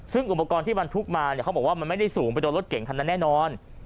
ซึ่งอุปกรณ์ที่บรรทุกมาเนี่ยเขาบอกว่ามันไม่ได้สูงไปโดนรถเก่งคันนั้นแน่นอน